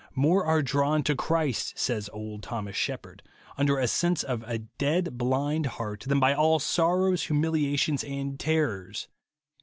More are drawn to Clirist," says old Thomas Shepherd, "under a sense of a dead, blind heart, than by all sorrows, humiliations, and terrors."